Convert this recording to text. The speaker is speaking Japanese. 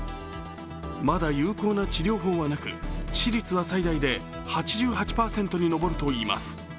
まだ有効な治療法はなく致死率は最大で８８％に上るといいます。